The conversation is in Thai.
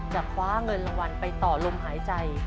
คว้าเงินรางวัลไปต่อลมหายใจ